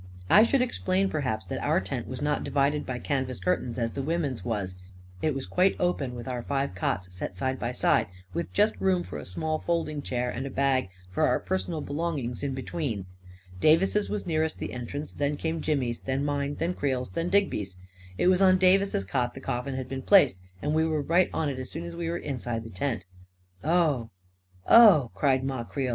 I should explain, perhaps, that our tent was not divided by canvas curtains as the women's was. It was quite open, with our five cots set side by side, with just room for a small folding chair and a bag for our personal belongings in between. Davis's was nearest the entrance, and then came Jimmy's, and then mine, and then Creel's, and then Digby's. It was on Davis's cot the coffin had been placed, and we were right on it as soon as we were inside the tent. 44 Oh, oh !" cried Ma Creel.